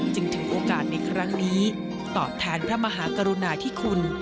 จึงถือโอกาสในครั้งนี้ตอบแทนพระมหากรุณาธิคุณ